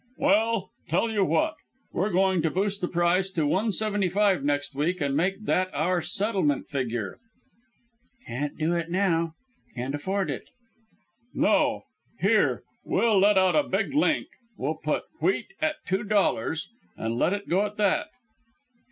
"Well, tell you what. We were going to boost the price to one seventy five next week, and make that our settlement figure." "Can't do it now. Can't afford it." "No. Here; we'll let out a big link; we'll put wheat at two dollars, and let it go at that."